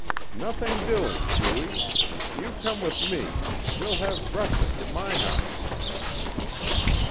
"Nothing doing, Hughie. You come with me. We'll have breakfast at my house."